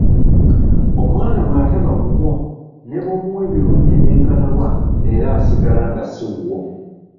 Omwana bw’ataba wuwo ne bw’omuwa ebirungi ebyenkana wa era asigala nga si wuwo.